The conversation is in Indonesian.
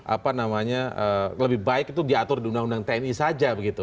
apa namanya lebih baik itu diatur di undang undang tni saja begitu